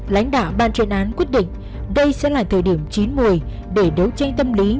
lãnh đạo ban truyền án quyết định đây sẽ là thời điểm chín một mươi